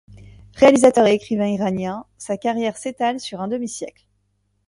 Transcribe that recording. Réalisateur et écrivain iranien, sa carrière s'étale sur un demi-siècle.